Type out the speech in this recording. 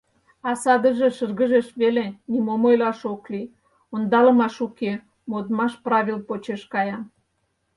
А садыже шыргыжеш веле: нимом ойлаш ок лий, ондалымаш уке, модмаш правил почеш кая.